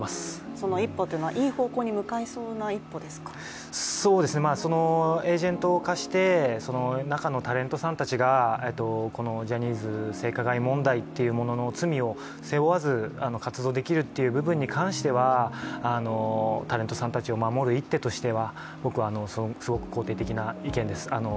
その一歩というのは、いい方向に向かいそうなエージェント化して、中のタレントさんたちがこのジャニーズ性加害問題の罪を背負わず活動できるという部分に関してはタレントさんたちを守る一手としては僕はすごく肯定的な意見です。